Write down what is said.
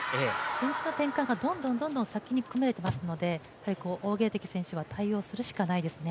戦術の転換がどんどん先に組まれていますので、王ゲイ迪選手は対応するしかないですね。